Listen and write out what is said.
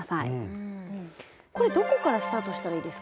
これどこからスタートしたらいいですか？